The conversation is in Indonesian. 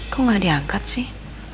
kok gak diangkat sih